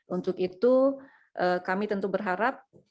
untuk itu kami tentu berharap